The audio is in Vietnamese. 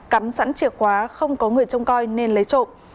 cắm sẵn chìa khóa không có người trông coi nên lấy trộm